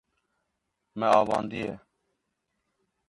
Me avandiye.